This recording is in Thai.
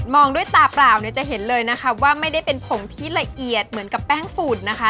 องด้วยตาเปล่าเนี่ยจะเห็นเลยนะคะว่าไม่ได้เป็นผงที่ละเอียดเหมือนกับแป้งฝุ่นนะคะ